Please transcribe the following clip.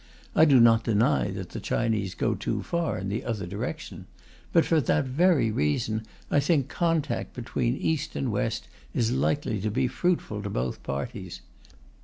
I do not deny that the Chinese go too far in the other direction; but for that very reason I think contact between East and West is likely to be fruitful to both parties.